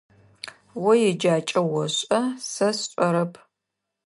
О еджакӏэ ошӏэ, сэ сшӏэрэп.